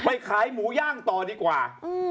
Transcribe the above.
ขายหมูย่างต่อดีกว่า